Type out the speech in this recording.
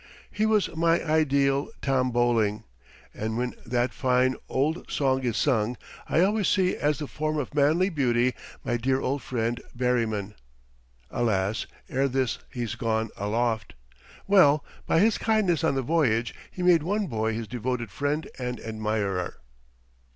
He was my ideal Tom Bowling, and when that fine old song is sung I always see as the "form of manly beauty" my dear old friend Barryman. Alas! ere this he's gone aloft. Well; by his kindness on the voyage he made one boy his devoted friend and admirer.